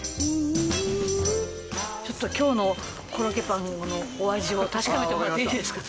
ちょっと今日のコロッケパンのお味を確かめてもらっていいですか？